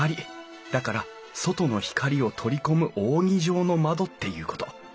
だから外の光を採り込む扇状の窓っていうこと。